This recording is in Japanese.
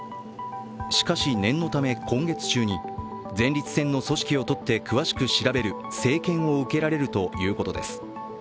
しかし、念のため今月中に前立腺の組織を採って詳しく調べる生検を受けられるということです。